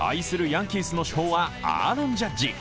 ヤンキースの主砲はアーロン・ジャッジ。